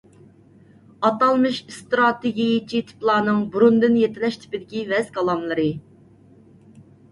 ئاتالمىش ئىستراتېگىيەچى تىپلارنىڭ بۇرۇندىن يېتىلەش تىپىدىكى ۋەز - كالاملىرى